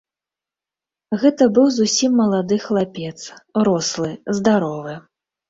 Гэта быў зусім малады хлапец, рослы, здаровы.